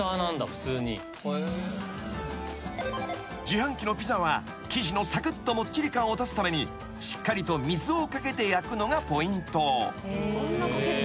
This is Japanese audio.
［自販機のピザは生地のさくっともっちり感を出すためにしっかりと水を掛けて焼くのがポイント］